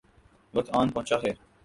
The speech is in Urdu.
وقت آن پہنچا ہے۔